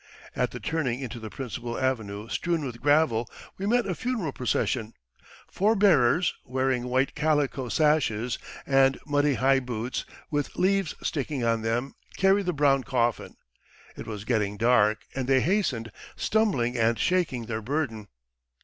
At the turning into the principal avenue strewn with gravel, we met a funeral procession. Four bearers, wearing white calico sashes and muddy high boots with leaves sticking on them, carried the brown coffin. It was getting dark and they hastened, stumbling and shaking their burden.